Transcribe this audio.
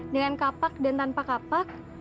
dengan kapak dan tanpa kapak